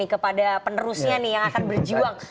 kepada penerusnya nih yang akan berjuang